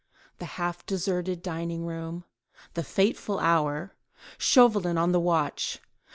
The half deserted dining room, the fateful hour—Chauvelin on the watch!